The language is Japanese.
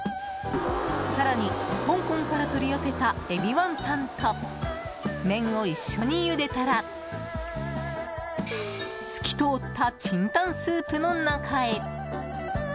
更に香港から取り寄せたエビワンタンと麺を一緒にゆでたら透き通った清湯スープの中へ。